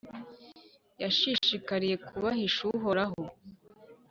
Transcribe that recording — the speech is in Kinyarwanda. yashishikariye kubahisha Uhoraho,